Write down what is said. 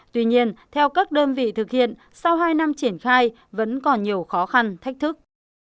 tuy nhiên theo các đơn vị thực hiện sau hai năm triển khai vẫn còn nhiều khó khăn thách thức